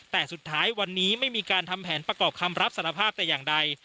แต่สุดท้ายวันนี้ไม่มีการทำแผนประกอบคำรับสารภาพแต่อย่างใด